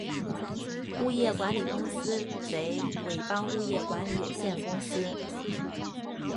物业管理公司为伟邦物业管理有限公司。